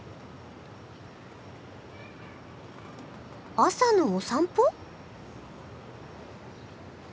朝のお散歩？